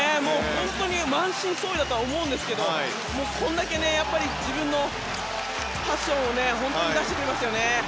満身創痍だとは思うんですがこれだけ、自分のパッションを本当に出してくれましたね。